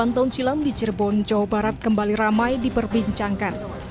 delapan tahun silam di cirebon jawa barat kembali ramai diperbincangkan